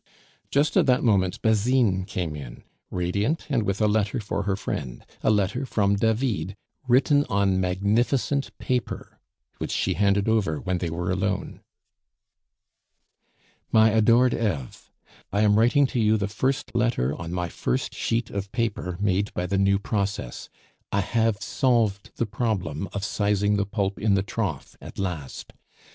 Just at that moment Basine came in radiant, and with a letter for her friend, a letter from David written on magnificent paper, which she handed over when they were alone. "MY ADORED EVE, I am writing to you the first letter on my first sheet of paper made by the new process. I have solved the problem of sizing the pulp in the trough at last.